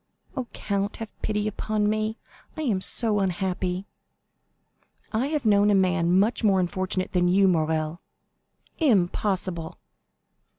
"Oh, count, have pity upon me. I am so unhappy." "I have known a man much more unfortunate than you, Morrel." "Impossible!"